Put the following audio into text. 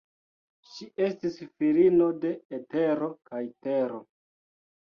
Ŝi estis filino de Etero kaj Tero.